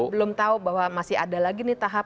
belum tahu bahwa masih ada lagi nih tahap